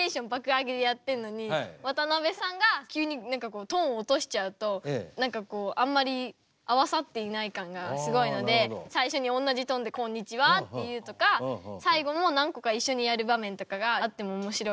上げでやってるのに渡辺さんが急にトーン落としちゃうと何かこうあんまり合わさっていない感がすごいので最初におんなじトーンで「こんにちは！」って言うとか最後も何個か一緒にやる場面とかがあってもおもしろいかなと。